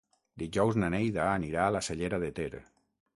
Dijous na Neida anirà a la Cellera de Ter.